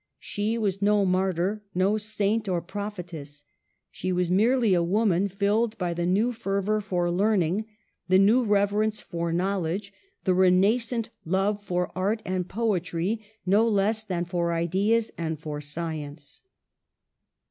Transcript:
She was no martyr, no saint or prophetess. She was merely a woman filled by the new fervor for learning, the new rever ence for knowledge, the renascent love for art and poetry, no less than for ideas and for science.